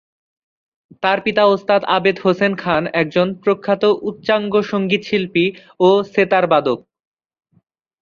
তার পিতা ওস্তাদ আবেদ হোসেন খান একজন প্রখ্যাত উচ্চাঙ্গ সঙ্গীতশিল্পী ও সেতার বাদক।